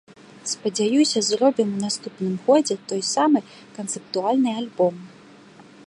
Спадзяюся, зробім у наступным годзе той самы канцэптуальны альбом.